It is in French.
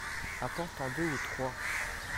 apporte en deux ou trois.